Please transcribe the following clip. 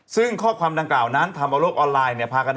ซึ่งข้อความดังกล่าวนั้นทำเอาโลกออนไลน์